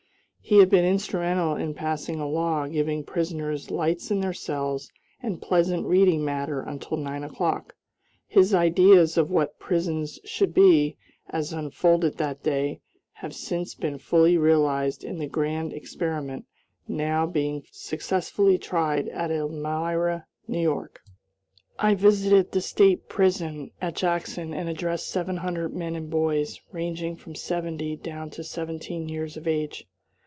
He had been instrumental in passing a law giving prisoners lights in their cells and pleasant reading matter until nine o'clock. His ideas of what prisons should be, as unfolded that day, have since been fully realized in the grand experiment now being successfully tried at Elmira, New York. I visited the State prison at Jackson, and addressed seven hundred men and boys, ranging from seventy down to seventeen years of age.